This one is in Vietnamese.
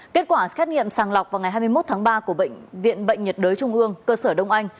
kết quả xét nghiệm sàng lọc vào ngày hai mươi một tháng ba của bệnh viện bệnh nhiệt đới trung ương cơ sở đông anh